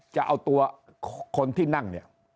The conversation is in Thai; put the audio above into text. จะเอาตัวคนที่นั่งเนี่ย